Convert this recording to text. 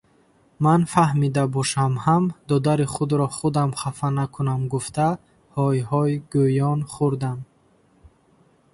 Ман фаҳмида бошам ҳам, додари худро худам хафа накунам гуфта ҳой-ҳой гӯён хӯрдам.